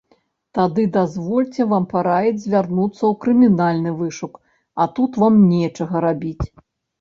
Тады дазвольце вам параіць звярнуцца ў крымінальны вышук, а тут вам нечага рабіць.